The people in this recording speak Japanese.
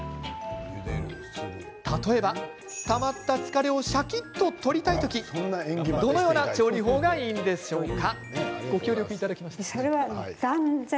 例えば、たまった疲れをシャキっと取りたい時どのような調理法がいいんですか？